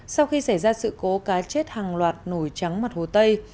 sau khi xảy ra sự cố cá chết hàng loạt nổi trắng mặt hồ tây